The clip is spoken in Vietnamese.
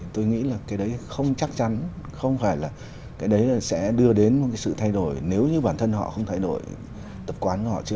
tôi nghĩ là cái đấy không chắc chắn không phải là cái đấy là sẽ đưa đến một cái sự thay đổi nếu như bản thân họ không thay đổi tập quán của họ chưa